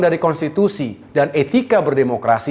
dari konstitusi dan etika berdemokrasi